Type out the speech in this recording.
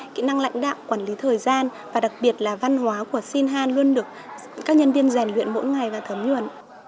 kỹ năng lạnh đạo quản lý thời gian và đặc biệt là văn hóa của sinhan luôn được các nhân viên giành luyện mỗi ngày và thấm nhuận